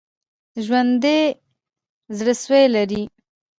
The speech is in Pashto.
ژوندي زړسوي لري